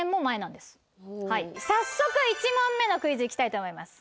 早速１問目のクイズ行きたいと思います。